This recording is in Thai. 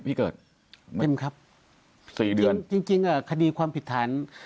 พี่เกิดเต็มครับสี่เดือนจริงจริงอ่ะคดีความผิดฐาน